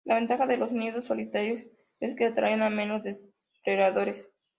La ventaja de los nidos solitarios es que atraen a menos depredadores.